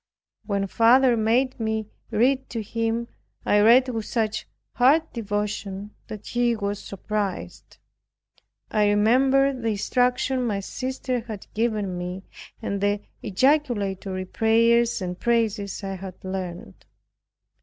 When father made me read to him, I read with such heartfelt devotion that he was surprised. I remembered the instruction my sister had given me, and the ejaculatory prayers and praises I had learned.